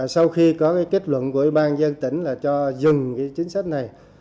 sau khi có kết luận của ủy ban dân tỉnh là cho dừng cái chính sách này